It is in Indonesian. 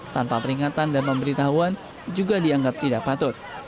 tanpa peringatan dan memberi tahuan juga dianggap tidak patut